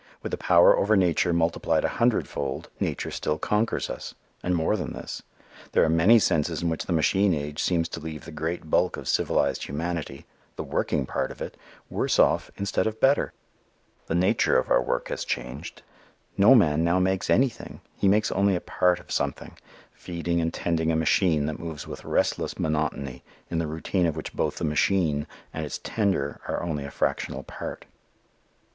With a power over nature multiplied a hundred fold, nature still conquers us. And more than this. There are many senses in which the machine age seems to leave the great bulk of civilized humanity, the working part of it, worse off instead of better. The nature of our work has changed. No man now makes anything. He makes only a part of something, feeding and tending a machine that moves with relentless monotony in the routine of which both the machine and its tender are only a fractional part.